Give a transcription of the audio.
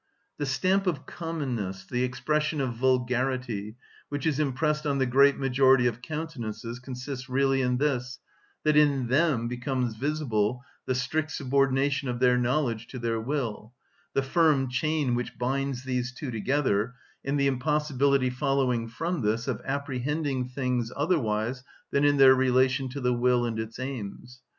The stamp of commonness, the expression of vulgarity, which is impressed on the great majority of countenances consists really in this, that in them becomes visible the strict subordination of their knowledge to their will, the firm chain which binds these two together, and the impossibility following from this of apprehending things otherwise than in their relation to the will and its aims.